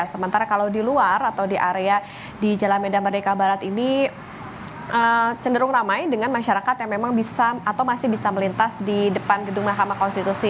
sementara kalau di luar atau di area di jalan medan merdeka barat ini cenderung ramai dengan masyarakat yang memang bisa atau masih bisa melintas di depan gedung mahkamah konstitusi